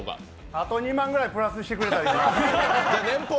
あと２万円くらいプラスしてくれたらいいです。